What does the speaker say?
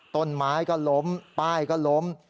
ต้นไม้ก็ล้มป้ายก็ล้ม